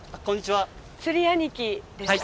釣り兄貴ですか？